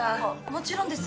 もちろんです。